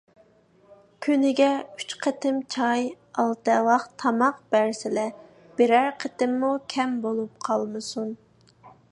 كۈنىگە ئۈچ قېتىم چاي، ئالتە ۋاخ تاماق بەرسىلە، بىرەر قېتىممۇ كەم بولۇپ قالمىسۇن.